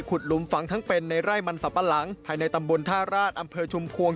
หลุมฝังทั้งเป็นในไร่มันสับปะหลังภายในตำบลท่าราชอำเภอชุมพวง